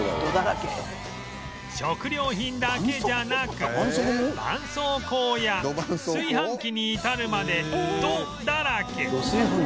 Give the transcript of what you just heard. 食料品だけじゃなくばんそうこうや炊飯器に至るまで「ド」だらけ